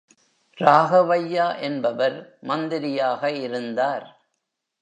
ராகவையா என்பவர் மந்திரியாக இருந்தார்.